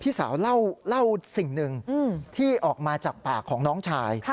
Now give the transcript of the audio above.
พี่สาวเล่าสิ่งหนึ่งที่ออกมาจากปากของน้องชาย